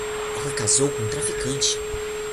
Ela casou com um traficante.